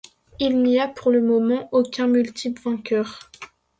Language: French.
Il n'y a pour le moment aucun multiple vainqueur.